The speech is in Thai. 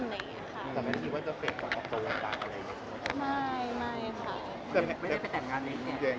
ไม่ได้ไปแต่งงานตรงนี้